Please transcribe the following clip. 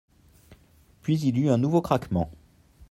Puis, il y eut un nouveau craquement.